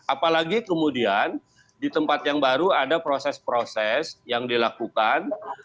apalagi kemudian di tempat yang baru ada proses proses yang dilakukan